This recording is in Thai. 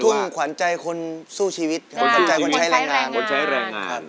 ลูกทุ่งขวานใจคนสู้ชีวิตขวานใจคนใช้แรงงานขวานใจคนใช้แรงงาน